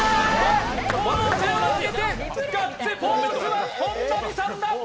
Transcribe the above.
もろ手を上げてガッツポーズは本並さんだ。